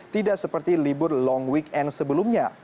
tidak seperti libur long weekend sebelumnya